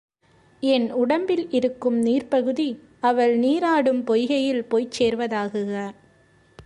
என் உடம்பில் இருக்கும் நீர்ப் பகுதி, அவள் நீராடும் பொய்கையில் போய்ச் சேர்வ தாகுக!